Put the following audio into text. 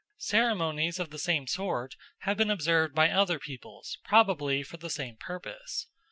Ceremonies of the same sort have been observed by other peoples, probably for the same purpose.